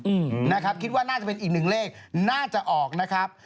อืมนะครับคิดว่าน่าจะเป็นอีกหนึ่งเลขน่าจะออกนะครับ